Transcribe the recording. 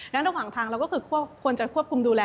และระหว่างทางเราก็คือควรจะควบคุมดูแล